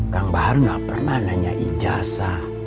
kang bahar nggak pernah nanya ijasa